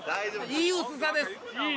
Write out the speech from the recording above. いい薄さです